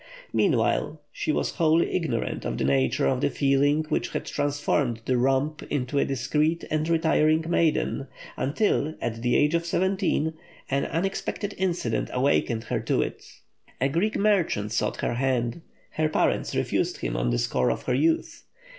Meanwhile, she was wholly ignorant of the nature of the feeling which had transformed the romp into a discreet and retiring maiden, until, at the age of seventeen, an unexpected incident awakened her to it. A Greek merchant sought her hand; her parents refused him on the score of her youth.